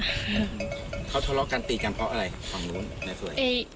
อืมเขาทะเลาะกันตีกันเพราะอะไรฝั่งนู้นนะสวย